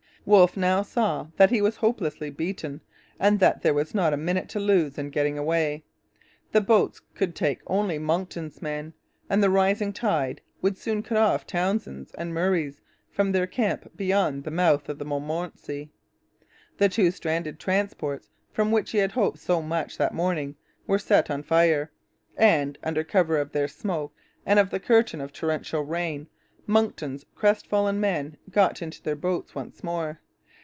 Wolfe now saw that he was hopelessly beaten and that there was not a minute to lose in getting away. The boats could take only Monckton's men; and the rising tide would soon cut off Townshend's and Murray's from their camp beyond the mouth of the Montmorency. The two stranded transports, from which he had hoped so much that morning, were set on fire; and, under cover of their smoke and of the curtain of torrential rain, Monckton's crestfallen men got into their boats once more.